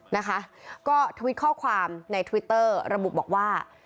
นะคะก็ทวิตข้อความในทวิตเตอร์ระบุบอกว่า